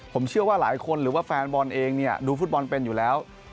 ผมเชื่อว่าหลายคนหรือว่าแฟนบอลเองเนี่ยดูฟุตบอลเป็นอยู่แล้ว